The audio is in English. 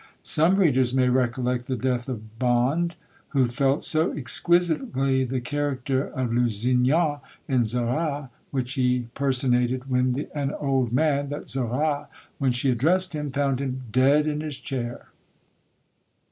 Some readers may recollect the death of Bond, who felt so exquisitely the character of Lusignan in Zara, which he personated when an old man, that Zara, when she addressed him, found him dead in his chair.